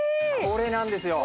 これなんですよ。